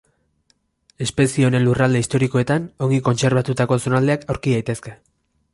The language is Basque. Espezie honen lurralde historikoetan ongi kontserbatuta zonaldeak aurki daitezke.